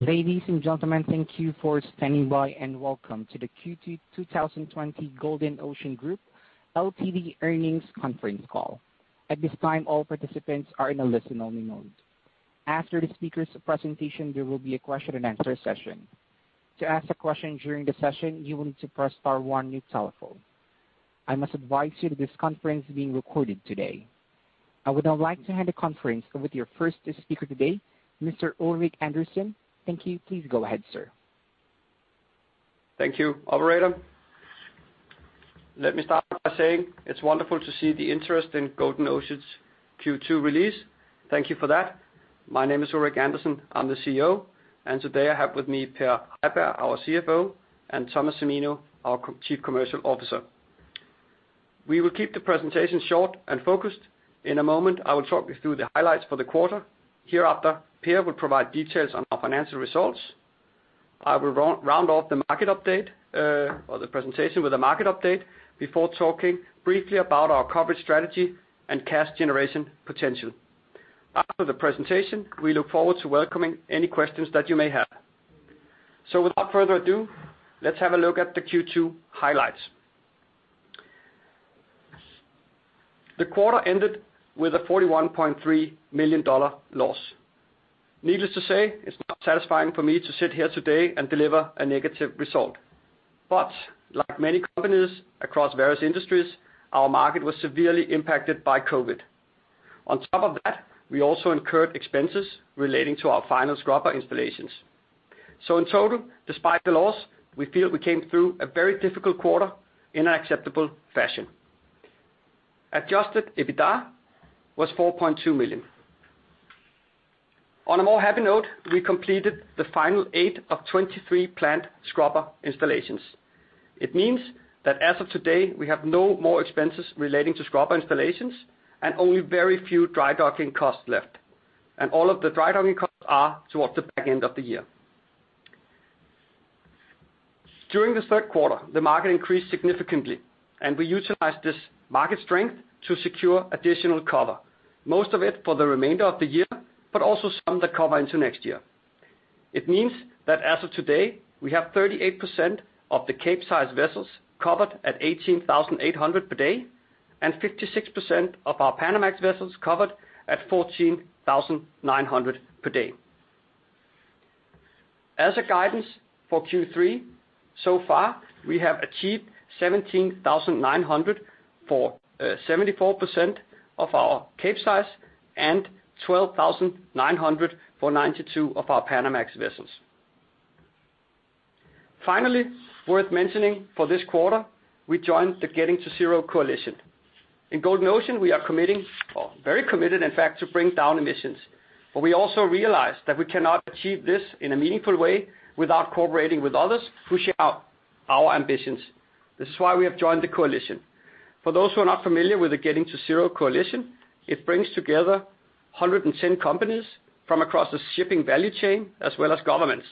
Ladies and gentlemen, thank you for standing by and welcome to the Q2 2020 Golden Ocean Group Ltd Earnings Conference Call. At this time, all participants are in a listen-only mode. After the speaker's presentation, there will be a question-and-answer session. To ask a question during the session, you will need to press star one on your telephone. I must advise you that this conference is being recorded today. I would now like to hand the conference over to your first speaker today, Mr. Ulrik Andersen. Thank you. Please go ahead, sir. Thank you, Alvarado. Let me start by saying it's wonderful to see the interest in Golden Ocean's Q2 release. Thank you for that. My name is Ulrik Andersen. I'm the CEO, and today I have with me Peder Simonsen, our CFO, and Thomas Semino, our Chief Commercial Officer. We will keep the presentation short and focused. In a moment, I will talk you through the highlights for the quarter. Hereafter, Peder will provide details on our financial results. I will round off the market update or the presentation with a market update before talking briefly about our coverage strategy and cash generation potential. After the presentation, we look forward to welcoming any questions that you may have. So, without further ado, let's have a look at the Q2 highlights. The quarter ended with a $41.3 million loss. Needless to say, it's not satisfying for me to sit here today and deliver a negative result, but like many companies across various industries, our market was severely impacted by COVID. On top of that, we also incurred expenses relating to our final scrubber installations. So, in total, despite the loss, we feel we came through a very difficult quarter in an acceptable fashion. Adjusted EBITDA was $4.2 million. On a more happy note, we completed the final eight of 23 planned scrubber installations. It means that as of today, we have no more expenses relating to scrubber installations and only very few dry docking costs left, and all of the dry docking costs are towards the back end of the year. During the third quarter, the market increased significantly, and we utilized this market strength to secure additional cover, most of it for the remainder of the year, but also some that cover into next year. It means that as of today, we have 38% of the Capesize vessels covered at $18,800 per day and 56% of our Panamax vessels covered at $14,900 per day. As a guidance for Q3, so far, we have achieved $17,900 for 74% of our Capesize and $12,900 for 92% of our Panamax vessels. Finally, worth mentioning for this quarter, we joined the Getting to Zero Coalition. In Golden Ocean, we are committing, or very committed, in fact, to bring down emissions. But we also realize that we cannot achieve this in a meaningful way without cooperating with others who share our ambitions. This is why we have joined the coalition. For those who are not familiar with the Getting to Zero Coalition, it brings together 110 companies from across the shipping value chain as well as governments.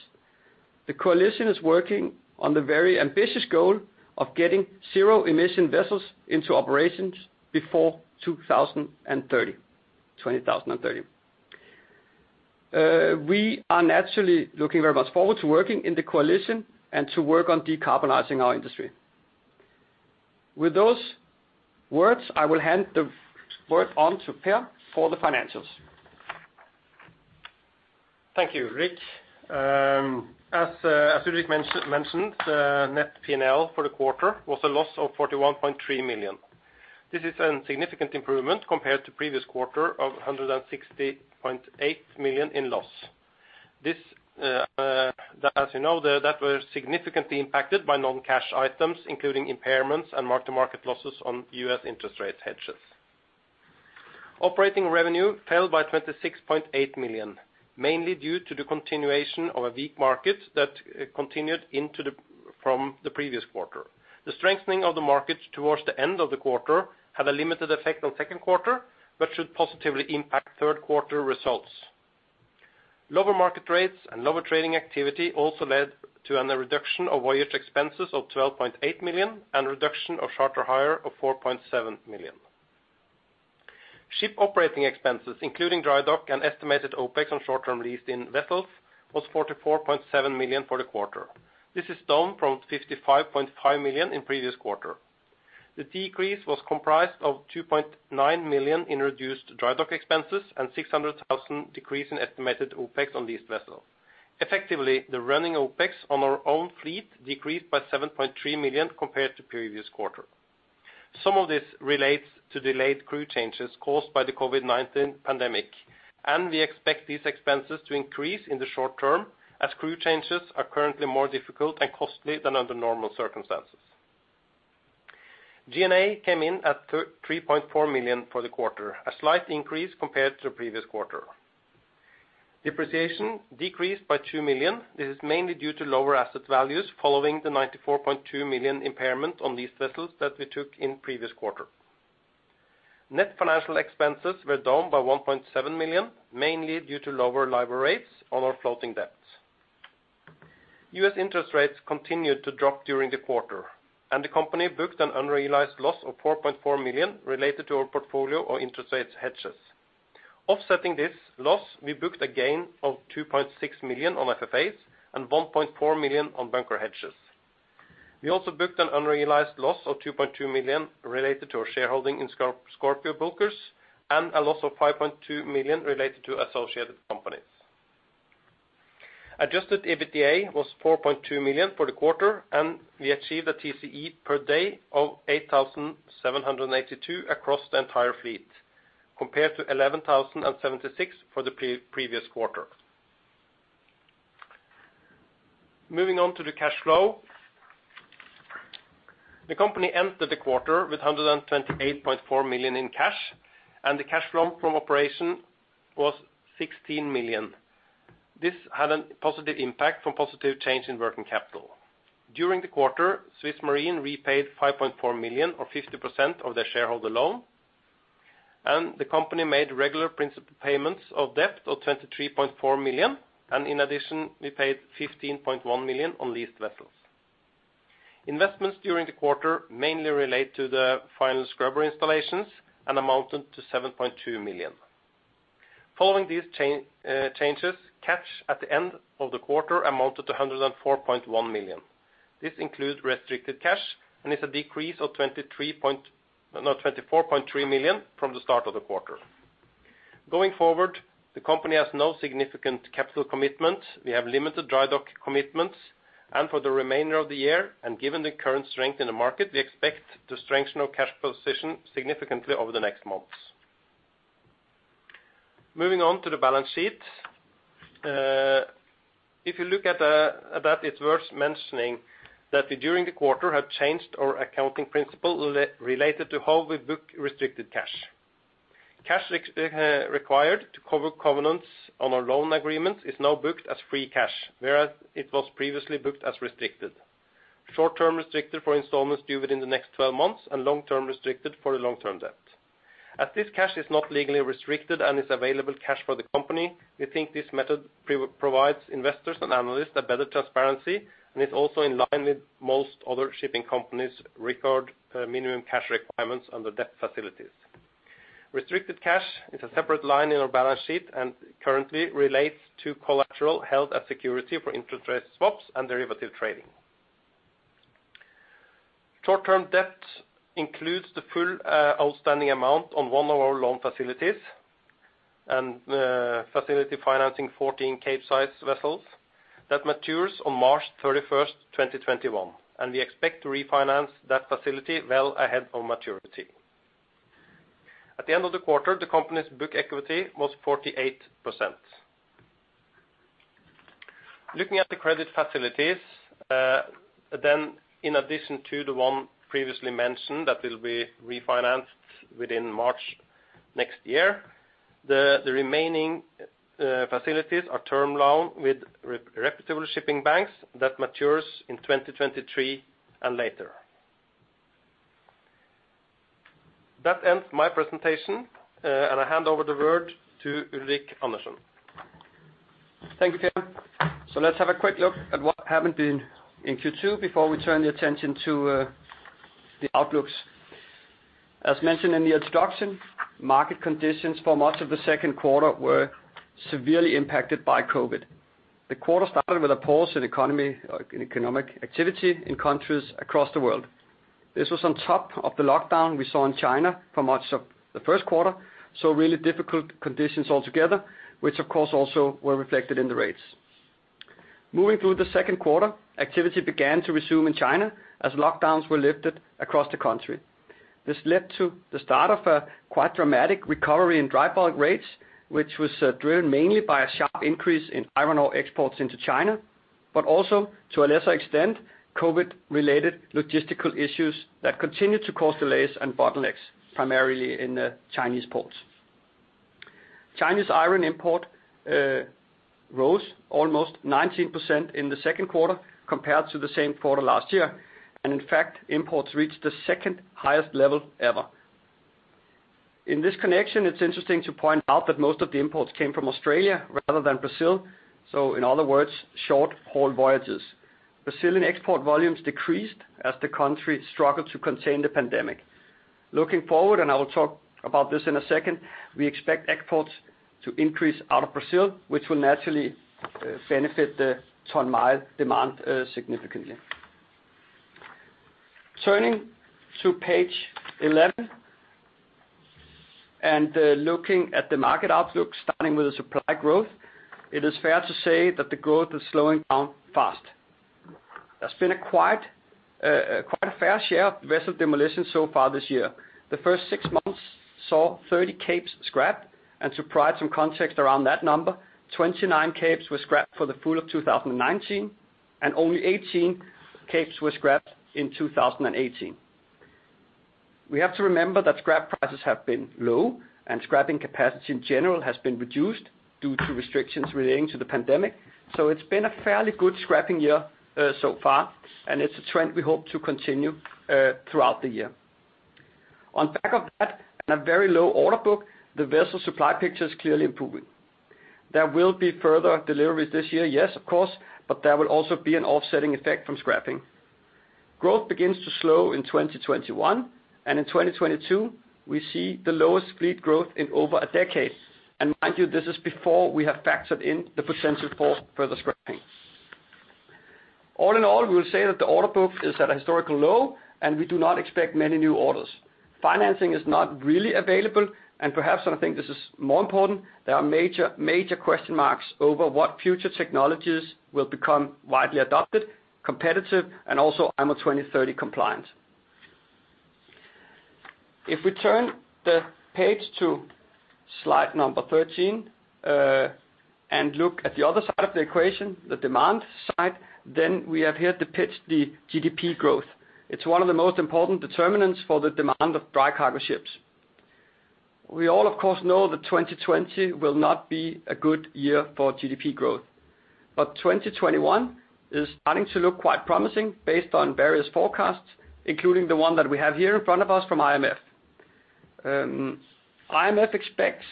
The coalition is working on the very ambitious goal of getting zero-emission vessels into operations before 2030. We are naturally looking very much forward to working in the coalition and to work on decarbonizing our industry. With those words, I will hand the word on to Peder for the financials. Thank you, Ulrik. As Ulrik mentioned, the net P&L for the quarter was a loss of $41.3 million. This is a significant improvement compared to the previous quarter of $160.8 million in loss. This, as you know, that was significantly impacted by non-cash items, including impairments and mark-to-market losses on U.S. interest rate hedges. Operating revenue fell by $26.8 million, mainly due to the continuation of a weak market that continued into the quarter from the previous quarter. The strengthening of the market towards the end of the quarter had a limited effect on the second quarter, but should positively impact third-quarter results. Lower market rates and lower trading activity also led to a reduction of voyage expenses of $12.8 million and a reduction of charter hire of $4.7 million. Ship operating expenses, including dry dock and estimated OpEx on short-term leased-in vessels, was $44.7 million for the quarter. This is down from $55.5 million in the previous quarter. The decrease was comprised of $2.9 million in reduced dry dock expenses and a $600,000 decrease in estimated OpEx on leased vessels. Effectively, the running OpEx on our own fleet decreased by $7.3 million compared to the previous quarter. Some of this relates to delayed crew changes caused by the COVID-19 pandemic, and we expect these expenses to increase in the short term as crew changes are currently more difficult and costly than under normal circumstances. G&A came in at $3.4 million for the quarter, a slight increase compared to the previous quarter. Depreciation decreased by $2 million. This is mainly due to lower asset values following the $94.2 million impairment on leased vessels that we took in the previous quarter. Net financial expenses were down by $1.7 million, mainly due to lower LIBOR rates on our floating debt. U.S. interest rates continued to drop during the quarter, and the company booked an unrealized loss of $4.4 million related to our portfolio of interest rate hedges. Offsetting this loss, we booked a gain of $2.6 million on FFAs and $1.4 million on bunker hedges. We also booked an unrealized loss of $2.2 million related to our shareholding in Scorpio Bulkers and a loss of $5.2 million related to associated companies. Adjusted EBITDA was $4.2 million for the quarter, and we achieved a TCE per day of $8,782 across the entire fleet, compared to $11,076 for the previous quarter. Moving on to the cash flow. The company ended the quarter with $128.4 million in cash, and the cash flow from operation was $16 million. This had a positive impact from positive change in working capital. During the quarter, Swiss Marine repaid $5.4 million, or 50% of their shareholder loan, and the company made regular principal payments of debt of $23.4 million, and in addition, we paid $15.1 million on leased vessels. Investments during the quarter mainly relate to the final scrubber installations and amounted to $7.2 million. Following these changes, cash at the end of the quarter amounted to $104.1 million. This includes restricted cash and is a decrease of $24.3 million from the start of the quarter. Going forward, the company has no significant capital commitments. We have limited dry dock commitments, and for the remainder of the year, and given the current strength in the market, we expect to strengthen our cash position significantly over the next months. Moving on to the balance sheet. If you look at that, it's worth mentioning that during the quarter, we have changed our accounting principle related to how we book restricted cash. Cash required to cover covenants on our loan agreements is now booked as free cash, whereas it was previously booked as restricted. Short-term restricted for installments due within the next 12 months and long-term restricted for the long-term debt. As this cash is not legally restricted and is available cash for the company, we think this method provides investors and analysts better transparency, and it's also in line with most other shipping companies' record minimum cash requirements under debt facilities. Restricted cash is a separate line in our balance sheet and currently relates to collateral held as security for interest rate swaps and derivative trading. Short-term debt includes the full outstanding amount on one of our loan facilities and facility financing 14 Capesize vessels that matures on March 31st, 2021, and we expect to refinance that facility well ahead of maturity. At the end of the quarter, the company's book equity was 48%. Looking at the credit facilities, then in addition to the one previously mentioned that will be refinanced within March next year, the remaining facilities are term loan with reputable shipping banks that matures in 2023 and later. That ends my presentation, and I hand over the word to Ulrik Andersen. Thank you, Peder. Let's have a quick look at what happened in Q2 before we turn the attention to the outlooks. As mentioned in the introduction, market conditions for much of the second quarter were severely impacted by COVID. The quarter started with a pause in economic activity in countries across the world. This was on top of the lockdown we saw in China for much of the first quarter, so really difficult conditions altogether, which, of course, also were reflected in the rates. Moving through the second quarter, activity began to resume in China as lockdowns were lifted across the country. This led to the start of a quite dramatic recovery in dry bulk rates, which was driven mainly by a sharp increase in iron ore exports into China, but also, to a lesser extent, COVID-related logistical issues that continued to cause delays and bottlenecks, primarily in the Chinese ports. Chinese iron ore imports rose almost 19% in the second quarter compared to the same quarter last year, and in fact, imports reached the second highest level ever. In this connection, it's interesting to point out that most of the imports came from Australia rather than Brazil. So, in other words, short-haul voyages. Brazilian export volumes decreased as the country struggled to contain the pandemic. Looking forward, and I will talk about this in a second, we expect exports to increase out of Brazil, which will naturally benefit the ton-mile demand significantly. Turning to page 11 and looking at the market outlook, starting with the supply growth, it is fair to say that the growth is slowing down fast. There's been quite a fair share of vessel demolitions so far this year. The first six months saw 30 capes scrapped, and to provide some context around that number, 29 capes were scrapped for the full of 2019, and only 18 capes were scrapped in 2018. We have to remember that scrap prices have been low, and scrapping capacity in general has been reduced due to restrictions relating to the pandemic. So it's been a fairly good scrapping year so far, and it's a trend we hope to continue throughout the year. On top of that, in a very low order book, the vessel supply picture is clearly improving. There will be further deliveries this year, yes, of course, but there will also be an offsetting effect from scrapping. Growth begins to slow in 2021, and in 2022, we see the lowest fleet growth in over a decade. And mind you, this is before we have factored in the potential for further scrapping. All in all, we will say that the order book is at a historical low, and we do not expect many new orders. Financing is not really available, and perhaps, and I think this is more important, there are major question marks over what future technologies will become widely adopted, competitive, and also IMO 2030 compliant. If we turn the page to slide number 13 and look at the other side of the equation, the demand side, then we have here the picture, the GDP growth. It's one of the most important determinants for the demand of dry cargo ships. We all, of course, know that 2020 will not be a good year for GDP growth, but 2021 is starting to look quite promising based on various forecasts, including the one that we have here in front of us from IMF. IMF expects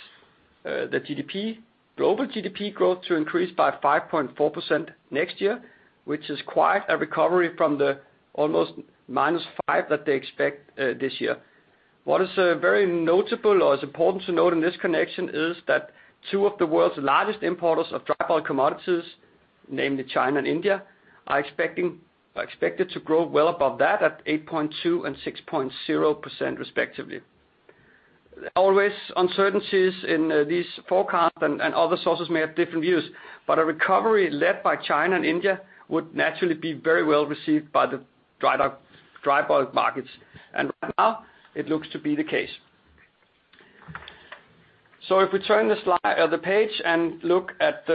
the global GDP growth to increase by 5.4% next year, which is quite a recovery from the almost -5% that they expect this year. What is very notable or is important to note in this connection is that two of the world's largest importers of dry bulk commodities, namely China and India, are expected to grow well above that at 8.2% and 6.0%, respectively. There are always uncertainties in these forecasts and other sources may have different views, but a recovery led by China and India would naturally be very well received by the dry bulk markets, and right now, it looks to be the case, so if we turn the page and look at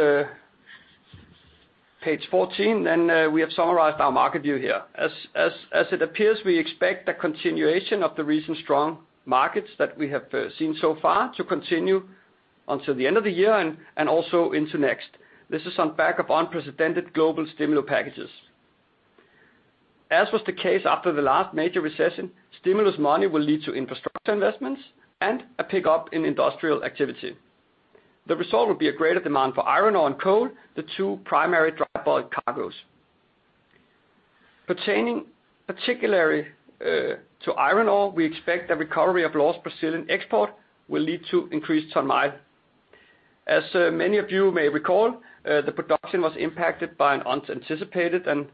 page 14, then we have summarized our market view here. As it appears, we expect the continuation of the recent strong markets that we have seen so far to continue until the end of the year and also into next. This is on the back of unprecedented global stimulus packages. As was the case after the last major recession, stimulus money will lead to infrastructure investments and a pickup in industrial activity. The result will be a greater demand for iron ore and coal, the two primary dry bulk cargoes. Pertaining particularly to iron ore, we expect the recovery of lost Brazilian export will lead to increased ton-mile. As many of you may recall, the production was impacted by an unanticipated and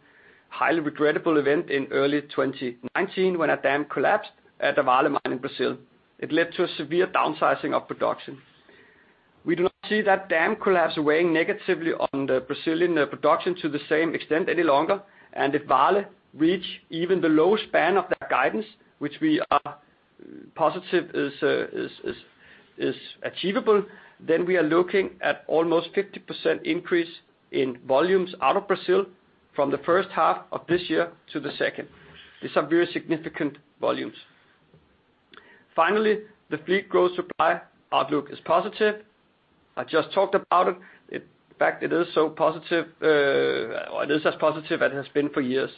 highly regrettable event in early 2019 when a dam collapsed at the Vale mine in Brazil. It led to a severe downsizing of production. We do not see that dam collapse weighing negatively on the Brazilian production to the same extent any longer, and if Vale reach even the low span of that guidance, which we are positive is achievable, then we are looking at almost 50% increase in volumes out of Brazil from the first half of this year to the second. These are very significant volumes. Finally, the fleet growth supply outlook is positive. I just talked about it. In fact, it is so positive, or it is as positive as it has been for years.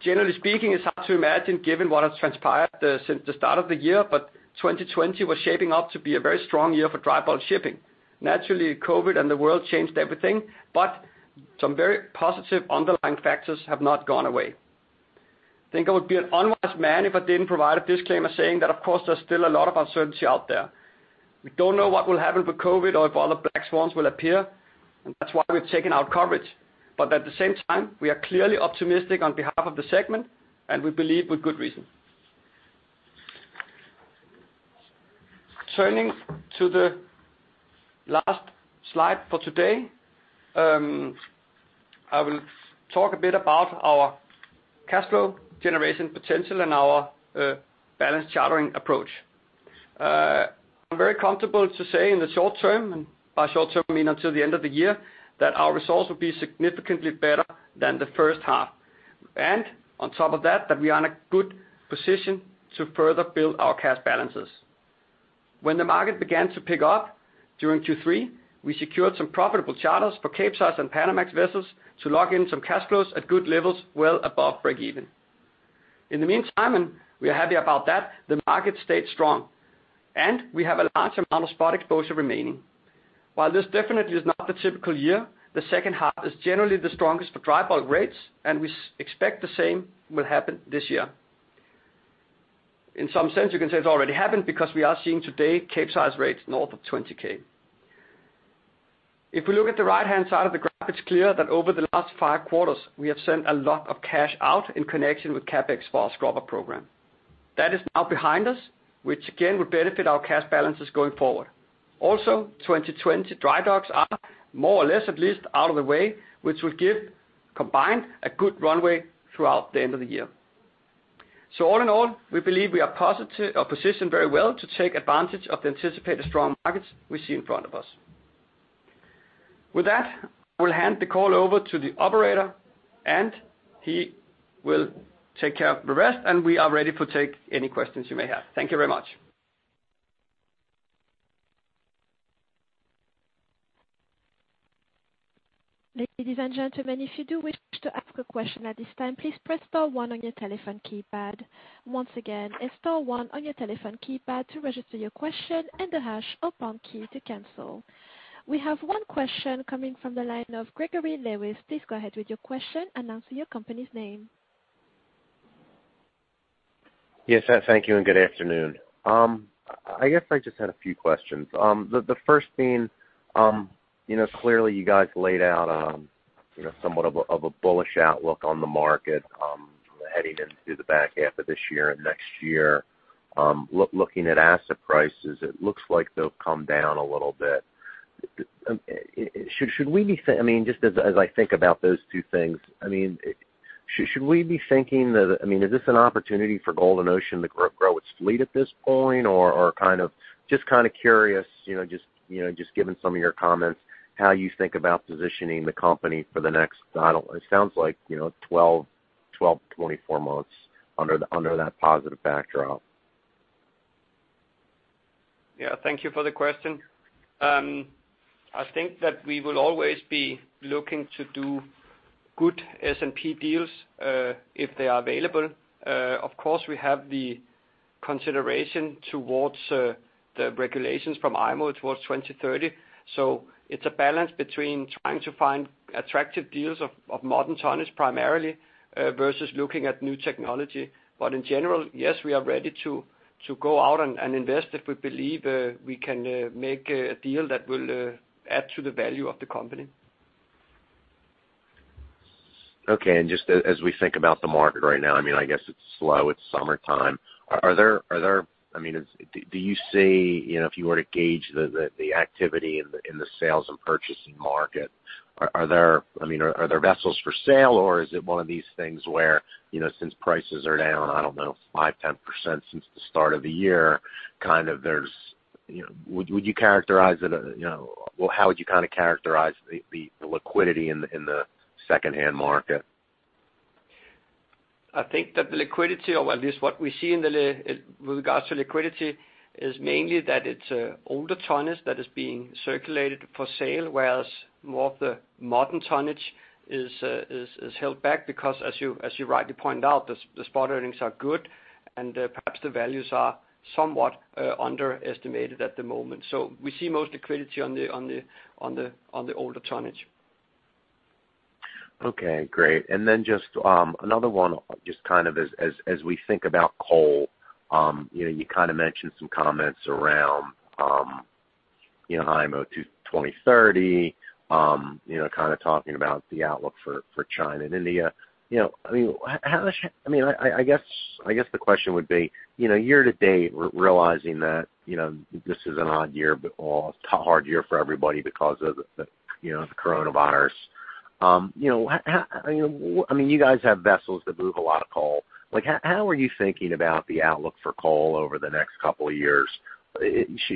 Generally speaking, it's hard to imagine given what has transpired since the start of the year, but 2020 was shaping up to be a very strong year for dry bulk shipping. Naturally, COVID and the world changed everything, but some very positive underlying factors have not gone away. I think I would be an unwise man if I didn't provide a disclaimer saying that, of course, there's still a lot of uncertainty out there. We don't know what will happen with COVID or if other black swans will appear, and that's why we've taken out coverage, but at the same time, we are clearly optimistic on behalf of the segment, and we believe with good reason. Turning to the last slide for today, I will talk a bit about our cash flow generation potential and our balance sheet approach. I'm very comfortable to say in the short term, and by short term, I mean until the end of the year, that our results will be significantly better than the first half, and on top of that, that we are in a good position to further build our cash balances. When the market began to pick up during Q3, we secured some profitable charters for Capesize and Panamax vessels to lock in some cash flows at good levels well above break-even. In the meantime, and we are happy about that, the market stayed strong, and we have a large amount of spot exposure remaining. While this definitely is not the typical year, the second half is generally the strongest for dry bulk rates, and we expect the same will happen this year. In some sense, you can say it's already happened because we are seeing today Capesize rates north of $20,000. If we look at the right-hand side of the graph, it's clear that over the last five quarters, we have sent a lot of cash out in connection with CapEx for our scrubber program. That is now behind us, which again will benefit our cash balances going forward. Also, 2020 dry docks are more or less at least out of the way, which will give combined a good runway throughout the end of the year. So all in all, we believe we are positioned very well to take advantage of the anticipated strong markets we see in front of us. With that, I will hand the call over to the operator, and he will take care of the rest, and we are ready to take any questions you may have. Thank you very much. Ladies and gentlemen, if you do wish to ask a question at this time, please press star one on your telephone keypad. Once again, press star one on your telephone keypad to register your question and the hash or pound key to cancel. We have one question coming from the line of Gregory Lewis. Please go ahead with your question and answer your company's name. Yes, thank you, and good afternoon. I guess I just had a few questions. The first thing, clearly you guys laid out somewhat of a bullish outlook on the market heading into the back half of this year and next year. Looking at asset prices, it looks like they'll come down a little bit. Should we be thinking, I mean, just as I think about those two things, I mean, should we be thinking that, I mean, is this an opportunity for Golden Ocean to grow its fleet at this point, or kind of just kind of curious, just given some of your comments, how you think about positioning the company for the next, it sounds like, 12 months to 24 months under that positive backdrop? Yeah, thank you for the question. I think that we will always be looking to do good S&P deals if they are available. Of course, we have the consideration towards the regulations from IMO towards 2030. So it's a balance between trying to find attractive deals of modern tonnage primarily versus looking at new technology. But in general, yes, we are ready to go out and invest if we believe we can make a deal that will add to the value of the company. Okay, and just as we think about the market right now, I mean, I guess it's slow, it's summertime. Are there, I mean, do you see, if you were to gauge the activity in the sales and purchasing market, are there, I mean, are there vessels for sale, or is it one of these things where, since prices are down, I don't know, 5%-10% since the start of the year, kind of there's, would you characterize it, well, how would you kind of characterize the liquidity in the second-hand market? I think that the liquidity, or at least what we see with regards to liquidity, is mainly that it's older tonnage that is being circulated for sale, whereas more of the modern tonnage is held back because, as you rightly pointed out, the spot earnings are good, and perhaps the values are somewhat underestimated at the moment. So we see most liquidity on the older tonnage. Okay, great. And then just another one, just kind of as we think about coal, you kind of mentioned some comments around IMO 2030, kind of talking about the outlook for China and India. I mean, I guess the question would be, year to date, realizing that this is an odd year or a hard year for everybody because of the coronavirus. I mean, you guys have vessels that move a lot of coal. How are you thinking about the outlook for coal over the next couple of years?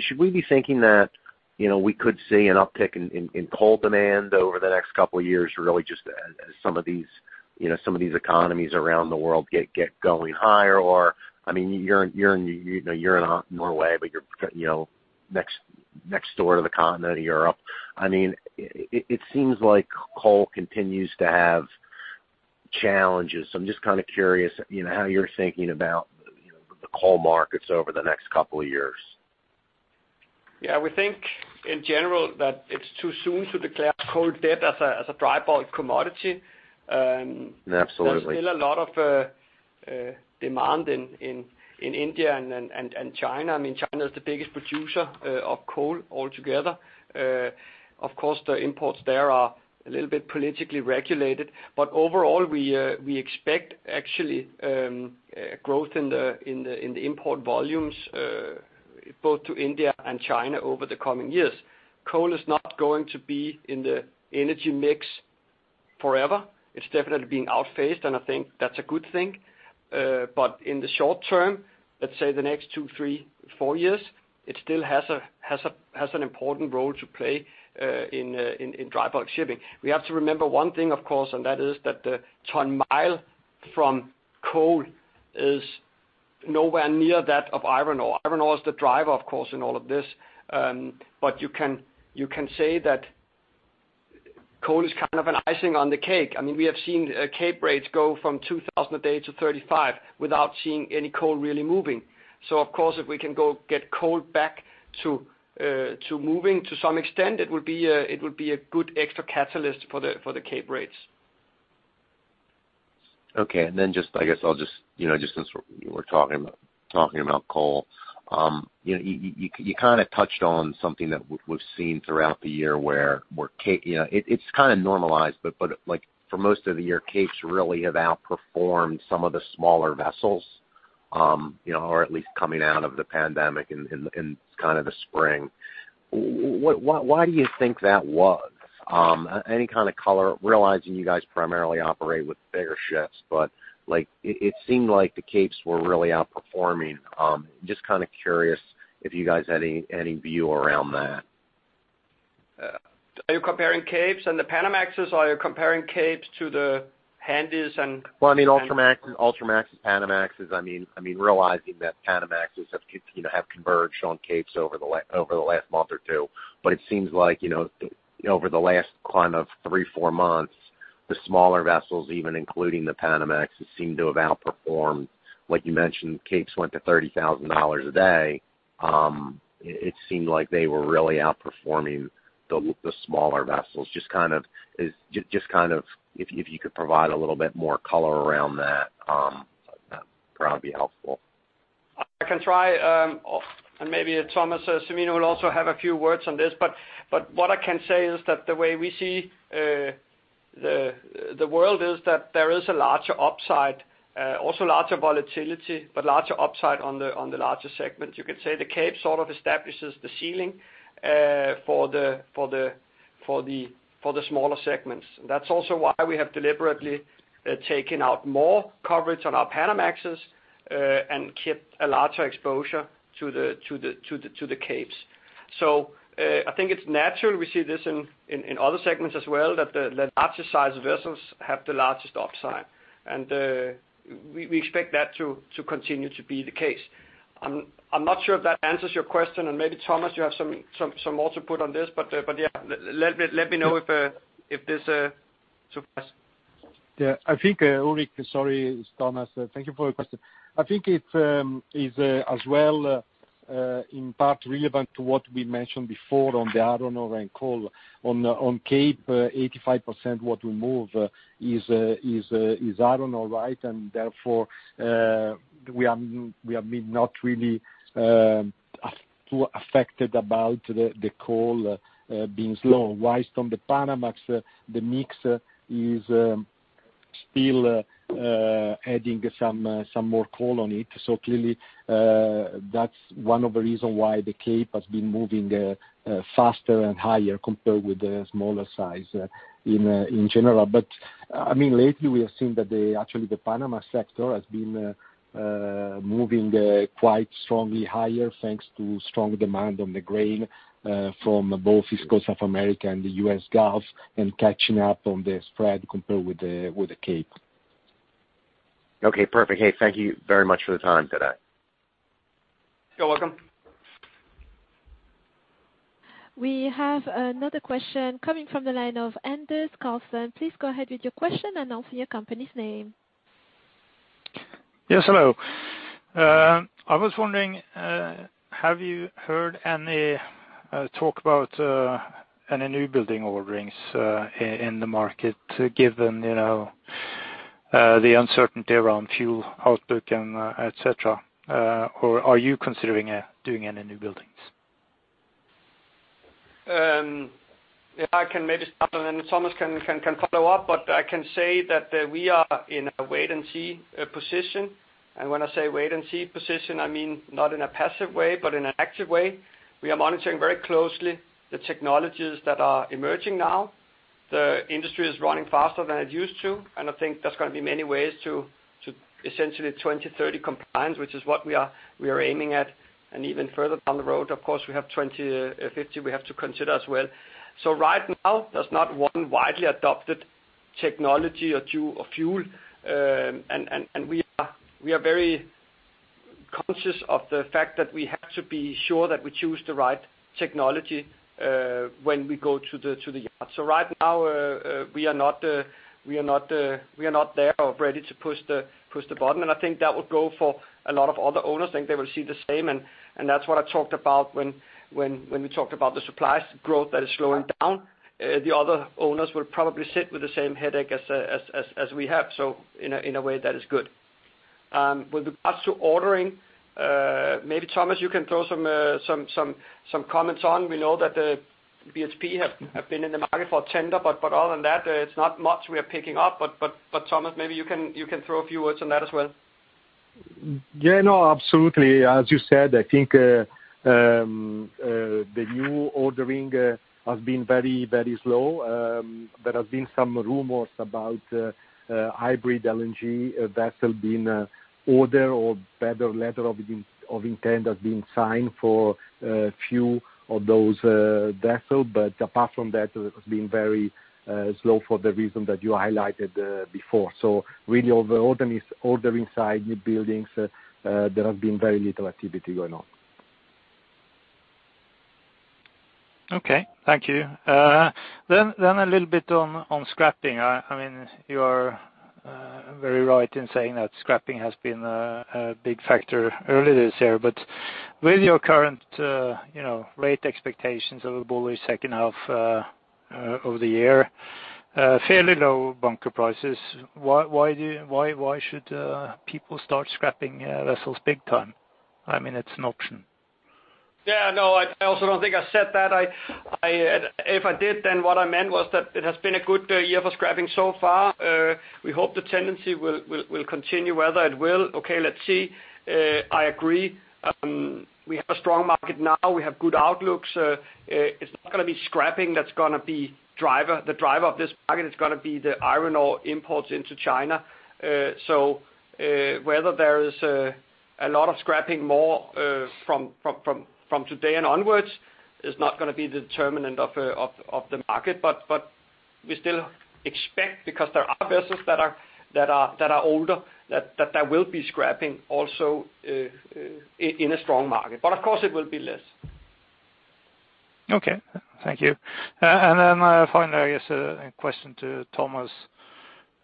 Should we be thinking that we could see an uptick in coal demand over the next couple of years, really just as some of these economies around the world get going higher, or I mean, you're in Norway, but you're next door to the continent of Europe. I mean, it seems like coal continues to have challenges. So I'm just kind of curious how you're thinking about the coal markets over the next couple of years. Yeah, we think in general that it's too soon to declare coal dead as a dry bulk commodity. There's still a lot of demand in India and China. I mean, China is the biggest producer of coal altogether. Of course, the imports there are a little bit politically regulated, but overall, we expect actually growth in the import volumes both to India and China over the coming years. Coal is not going to be in the energy mix forever. It's definitely being phased out, and I think that's a good thing. But in the short term, let's say the next two, three, four years, it still has an important role to play in dry bulk shipping. We have to remember one thing, of course, and that is that the ton-mile from coal is nowhere near that of iron ore. Iron ore is the driver, of course, in all of this. But you can say that coal is kind of an icing on the cake. I mean, we have seen cape rates go from $2,000 a day to $35 without seeing any coal really moving. So of course, if we can go get coal back to moving to some extent, it will be a good extra catalyst for the cape rates. Okay, and then just, I guess, just since we're talking about coal, you kind of touched on something that we've seen throughout the year where it's kind of normalized, but for most of the year, Capes really have outperformed some of the smaller vessels, or at least coming out of the pandemic and kind of the spring. Why do you think that was? Any kind of color, realizing you guys primarily operate with bigger ships, but it seemed like the Capes were really outperforming. Just kind of curious if you guys had any view around that. Are you comparing Capes and the Panamaxes, or are you comparing Capes to the Handys and? Well, I mean, Ultramaxes, Panamaxes, I mean, realizing that Panamaxes have converged on Capes over the last month or two. But it seems like over the last kind of three, four months, the smaller vessels, even including the Panamaxes, seem to have outperformed. Like you mentioned, capes went to $30,000 a day. It seemed like they were really outperforming the smaller vessels. Just kind of, if you could provide a little bit more color around that, that would probably be helpful. I can try, and maybe Thomas Semino will also have a few words on this. But what I can say is that the way we see the world is that there is a larger upside, also larger volatility, but larger upside on the larger segment. You could say the cape sort of establishes the ceiling for the smaller segments. That's also why we have deliberately taken out more coverage on our Panamaxes and kept a larger exposure to the capes. So I think it's natural. We see this in other segments as well, that the larger size vessels have the largest upside. And we expect that to continue to be the case. I'm not sure if that answers your question, and maybe Thomas, you have some more to put on this. But yeah, let me know if this suffices. Yeah, I think Ulrik, sorry, Thomas, thank you for your question. I think it is as well in part relevant to what we mentioned before on the iron ore and coal. On Capesize, 85% what we move is iron ore, right? And therefore, we have been not really too affected about the coal being slow. While on the Panamax, the mix is still adding some more coal on it. So clearly, that's one of the reasons why the Capesize has been moving faster and higher compared with the smaller size in general. But I mean, lately, we have seen that actually the Panama sector has been moving quite strongly higher thanks to strong demand on the grain from both East Coast of America and the US Gulf and catching up on the spread compared with the cape. Okay, perfect. Hey, thank you very much for the time today. You're welcome. We have another question coming from the line of Anders Karlsen. Please go ahead with your question and announce your company's name. Yes, hello. I was wondering, have you heard any talk about any newbuilding orderings in the market given the uncertainty around fuel outlook, etc.? Or are you considering doing any newbuildings? Yeah, I can maybe start, and then Thomas can follow up. But I can say that we are in a wait-and-see position. And when I say wait-and-see position, I mean not in a passive way, but in an active way. We are monitoring very closely the technologies that are emerging now. The industry is running faster than it used to. And I think there's going to be many ways to essentially 2030 compliance, which is what we are aiming at. And even further down the road, of course, we have 2050 we have to consider as well. So right now, there's not one widely adopted technology or fuel. And we are very conscious of the fact that we have to be sure that we choose the right technology when we go to the yard. So right now, we are not there or ready to push the button. And I think that will go for a lot of other owners. I think they will see the same. And that's what I talked about when we talked about the supply growth that is slowing down. The other owners will probably sit with the same headache as we have. So in a way, that is good. With regards to ordering, maybe Thomas, you can throw some comments on. We know that the BHP have been in the market for a tender, but other than that, it's not much we are picking up. But Thomas, maybe you can throw a few words on that as well. Yeah, no, absolutely. As you said, I think the new ordering has been very, very slow. There have been some rumors about hybrid LNG vessel being ordered or better letter of intent has been signed for a few of those vessels. But apart from that, it has been very slow for the reason that you highlighted before. So really, on the ordering side, newbuildings, there has been very little activity going on. Okay, thank you. Then a little bit on scrapping. I mean, you are very right in saying that scrapping has been a big factor earlier this year. But with your current rate expectations of a bullish second half of the year, fairly low bunker prices, why should people start scrapping vessels big time? I mean, it's an option. Yeah, no, I also don't think I said that. If I did, then what I meant was that it has been a good year for scrapping so far. We hope the tendency will continue, whether it will. Okay, let's see. I agree. We have a strong market now. We have good outlooks. It's not going to be scrapping that's going to be the driver of this market. It's going to be the iron ore imports into China. So whether there is a lot of scrapping more from today and onwards is not going to be the determinant of the market. But we still expect, because there are vessels that are older, that there will be scrapping also in a strong market. But of course, it will be less. Okay, thank you. And then finally, I guess a question to Thomas.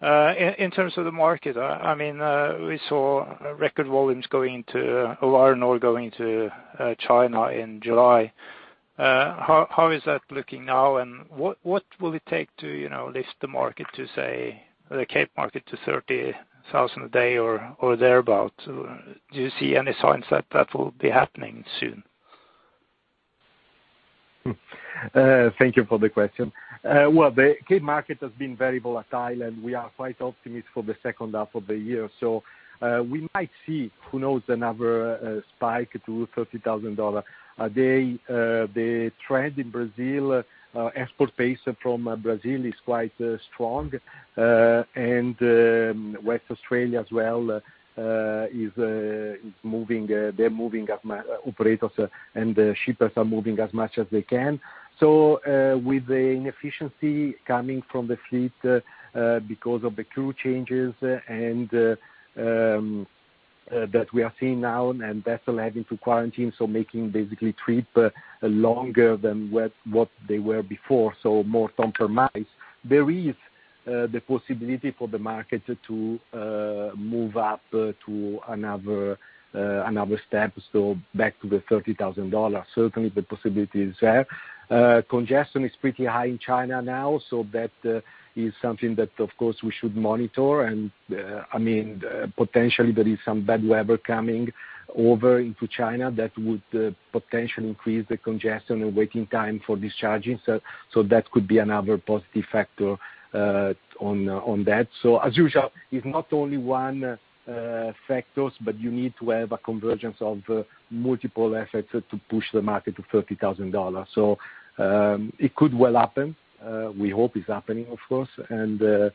In terms of the market, I mean, we saw record volumes going into or iron ore going into China in July. How is that looking now? And what will it take to lift the market, to say, the cape market to 30,000 a day or thereabouts? Do you see any signs that that will be happening soon? Thank you for the question. The cape market has been very volatile, and we are quite optimistic for the second half of the year. We might see, who knows, another spike to $30,000 a day. The trend in Brazil, export pace from Brazil, is quite strong. Western Australia as well is moving. They're moving as much as operators and shippers are moving as much as they can. With the inefficiency coming from the fleet because of the crew changes that we are seeing now, and vessels having to quarantine, so making basically trip longer than what they were before, so more ton-miles, there is the possibility for the market to move up to another step, so back to the $30,000. Certainly, the possibility is there. Congestion is pretty high in China now, so that is something that, of course, we should monitor. And I mean, potentially, there is some bad weather coming over into China that would potentially increase the congestion and waiting time for discharging. So that could be another positive factor on that. So as usual, it's not only one factor, but you need to have a convergence of multiple efforts to push the market to $30,000. So it could well happen. We hope it's happening, of course. And the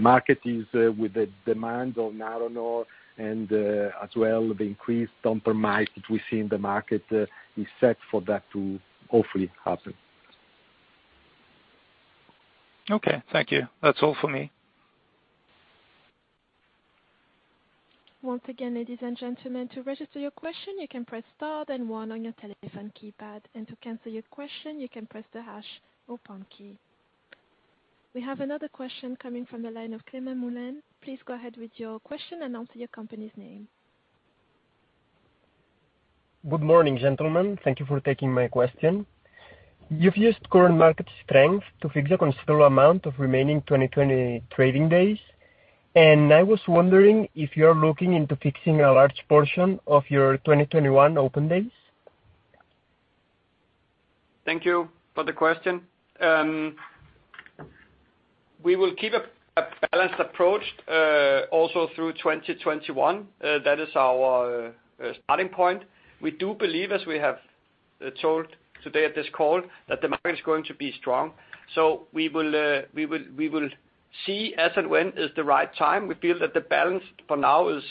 market is with the demand on iron ore and as well the increased tons per mile that we see in the market is set for that to hopefully happen. Okay, thank you. That's all for me. Once again, ladies and gentlemen, to register your question, you can press star and one on your telephone keypad. And to cancel your question, you can press the hash or pound key. We have another question coming from the line of Clement Mehren. Please go ahead with your question and announce your company's name. Good morning, gentlemen. Thank you for taking my question. You've used current market strength to fix a considerable amount of remaining 2020 trading days, and I was wondering if you are looking into fixing a large portion of your 2021 open days. Thank you for the question. We will keep a balanced approach also through 2021. That is our starting point. We do believe, as we have told today at this call, that the market is going to be strong. So we will see as and when is the right time. We feel that the balance for now is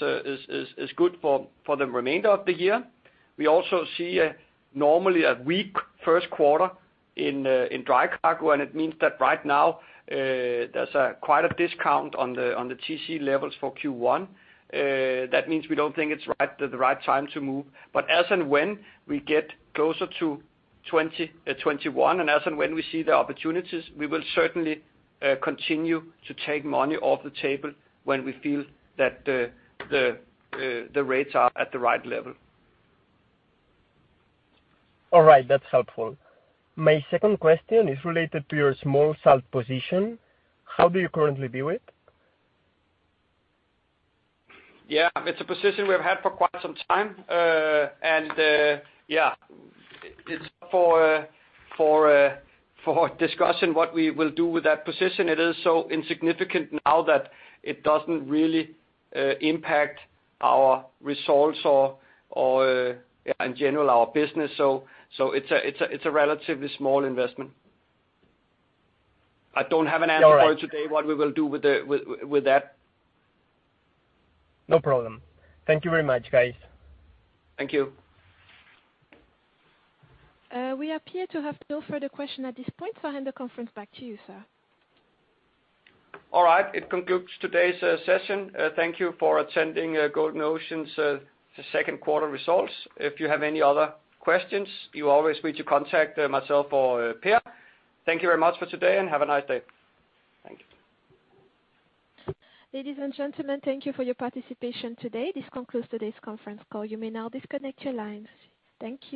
good for the remainder of the year. We also see normally a weak first quarter in dry cargo, and it means that right now there's quite a discount on the TC levels for Q1. That means we don't think it's the right time to move. But as and when we get closer to 2021, and as and when we see the opportunities, we will certainly continue to take money off the table when we feel that the rates are at the right level. All right, that's helpful. My second question is related to your small stake position. How do you currently view it? Yeah, it's a position we've had for quite some time. And yeah, it's up for discussion what we will do with that position. It is so insignificant now that it doesn't really impact our results or, yeah, in general, our business. So it's a relatively small investment. I don't have an answer for you today what we will do with that. No problem. Thank you very much, guys. Thank you. We appear to have no further questions at this point. So I hand the conference back to you, sir. All right, it concludes today's session. Thank you for attending Golden Ocean's second quarter results. If you have any other questions, you can always contact myself or Peder. Thank you very much for today and have a nice day. Thank you. Ladies and gentlemen, thank you for your participation today. This concludes today's conference call. You may now disconnect your lines. Thank you.